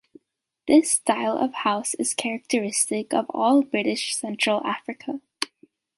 This style of house is characteristic of all British Central Africa.